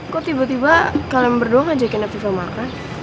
kok tiba tiba kalian berdua ngajakin afifa makan